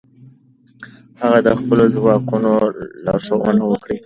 هغه د خپلو ځواکونو لارښوونه وکړه.